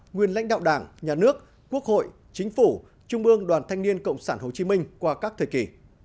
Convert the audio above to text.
nguyên lãnh đạo đảng nhà nước quốc hội chính phủ trung ương đoàn thanh niên cộng sản hồ chí minh qua các thời kỳ